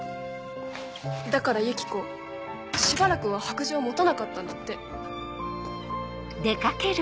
だからユキコしばらくは白杖持たなかったんだって。